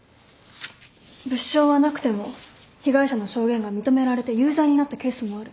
物証はなくても被害者の証言が認められて有罪になったケースもある。